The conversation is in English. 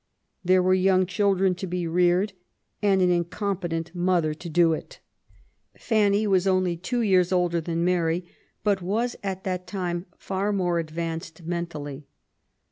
There were young children to be reared, and an incompetent mother to do it. Fanny was only two years older than Mary, but was, at that time, far more advanced mentally.